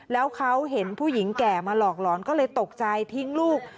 แล้วเขาเห็นผู้หญิงแก่มาหลอกหลอนก็เลยตกใจทิ้งลูก